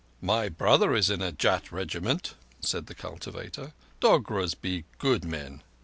"My brother is in a Jat regiment," said the cultivator. "Dogras be good men."